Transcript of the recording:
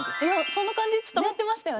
そんな感じ伝わってましたよね。